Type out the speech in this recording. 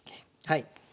はい。